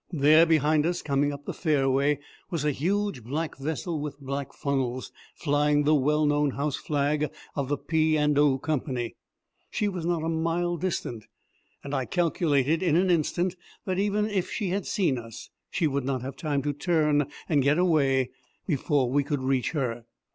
There behind us, coming up the fairway, was a huge black vessel with black funnels, flying the well known house flag of the P. and O. Company. She was not a mile distant, and I calculated in an instant that even if she had seen us she would not have time to turn and get away before we could reach her.